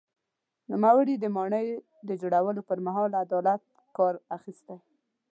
نوموړي د ماڼۍ د جوړولو پر مهال له عدالت کار اخیستی.